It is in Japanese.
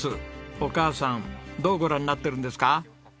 お母さんどうご覧になっているんですか？